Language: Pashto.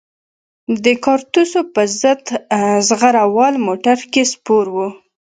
د کارتوسو په ضد زغره وال موټر کې سپور وو.